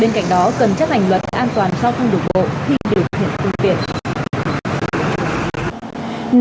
bên cạnh đó cần chấp hành luật an toàn giao thông đủ bộ khi điều khiển công tiện